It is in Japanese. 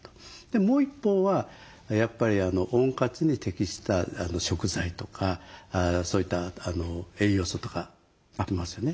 もう一方はやっぱり温活に適した食材とかそういった栄養素とかありますよね。